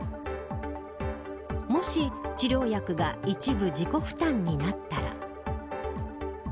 もし、治療薬が一部自己負担になったら。